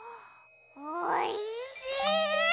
おいしい！